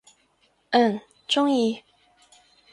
嗯，中意！